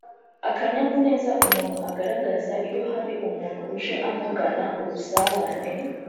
akanyamuneza umuntu agaragaza iyo hari umuntu uje amugana, ubusabane,